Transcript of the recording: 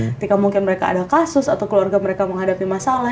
ketika mungkin mereka ada kasus atau keluarga mereka menghadapi masalah